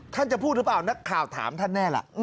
จะพูดหรือเปล่านักข่าวถามท่านแน่ล่ะ